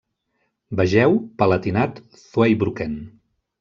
Vegeu Palatinat-Zweibrücken.